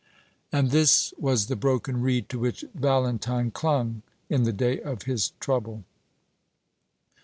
And this was the broken reed to which Valentine clung in the day of his trouble.